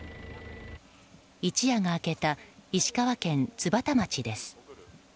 一夜が明けた石川県津幡町です。